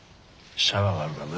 シャワーがあるからな。